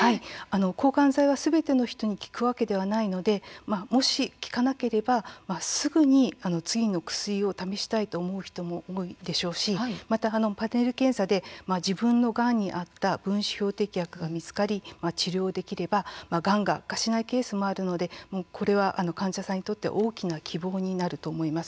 抗がん剤は、すべての人に効くわけではないのでもし効かなければすぐに次の薬を試したいと思う人も多いでしょうしまたパネル検査で自分のがんに合った分子標的薬が見つかり治療できれば、がんが悪化しないケースもあるのでこれは患者さんにとっては大きな希望になると思います。